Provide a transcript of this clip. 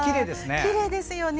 きれいですよね。